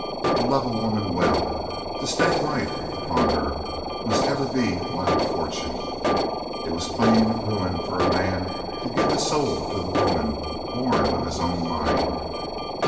To love a woman well, to stake life upon her, must ever be wild fortune; it was plain ruin for a man to give his soul to the woman born of his own mind.